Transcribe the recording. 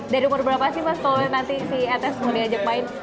dari umur berapa sih mas kalau nanti si etes mau diajak main